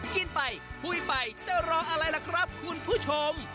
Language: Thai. กินไปคุยไปจะรออะไรล่ะครับคุณผู้ชม